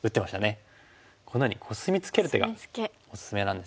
このようにコスミツケる手がおすすめなんですね。